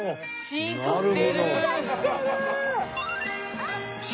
進化してる！